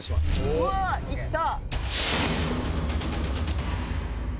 うわー！いった！